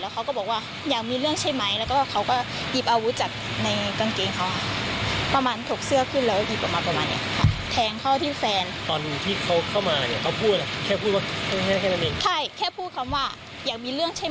ก็คิดว่าสำหรับแบบนี้จะทำงานที่นี่ไม่ได้อยู่แบบนี้